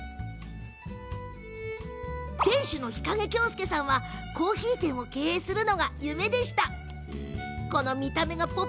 店主の日景京介さんはコーヒー店を経営するのが夢でした。